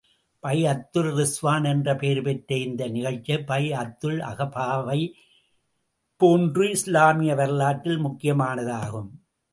பைஅத்துர் ரில்வான் என்ற பெயர் பெற்ற இந்த நிகழ்ச்சி, பைஅத்துல் அகபாவை ப் போன்று இஸ்லாமிய வரலாற்றில் முக்கியமானதாகும்.